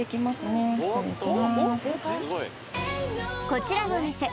こちらのお店